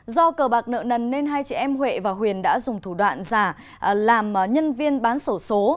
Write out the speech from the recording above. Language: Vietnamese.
do cờ bạc nợ nần nên hai chị em huệ và huyền đã dùng thủ đoạn giả làm nhân viên bán sổ số